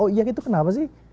oh iya itu kenapa sih